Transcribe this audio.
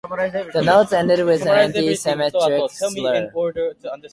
The notes ended with an anti-Semitic slur.